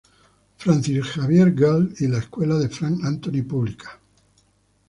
Francis Xavier Girls y la Escuela de Frank Anthony Pública.